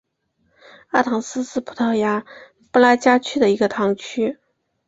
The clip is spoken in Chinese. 阿唐斯是葡萄牙布拉加区的一个堂区。